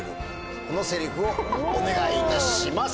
このセリフをお願いいたします。